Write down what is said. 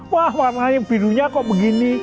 wah warnanya birunya kok begini